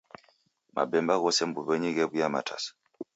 Mabemba ghose mbuw'enyi ghew'uya matasa.